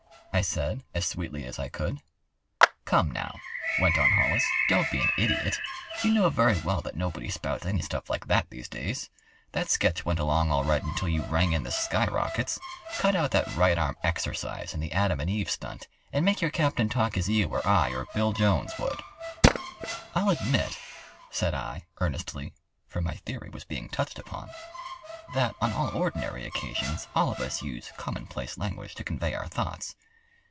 I said, as sweetly as I could. "Come now," went on Hollis, "don't be an idiot. You know very well that nobody spouts any stuff like that these days. That sketch went along all right until you rang in the skyrockets. Cut out that right arm exercise and the Adam and Eve stunt, and make your captain talk as you or I or Bill Jones would." "I'll admit," said I, earnestly (for my theory was being touched upon), "that on all ordinary occasions all of us use commonplace language to convey our thoughts.